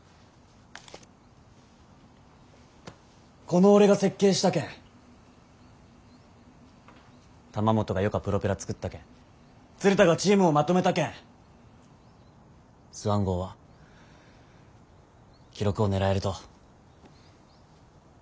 この俺が設計したけん玉本がよかプロペラ作ったけん鶴田がチームをまとめたけんスワン号は記録を狙えると。